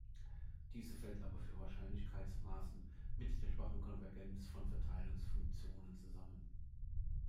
Diese fällt aber für Wahrscheinlichkeitsmaßen mit der schwachen Konvergenz von Verteilungsfunktionen zusammen.